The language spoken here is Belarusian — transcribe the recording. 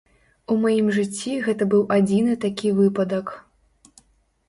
У маім жыцці гэта быў адзіны такі выпадак.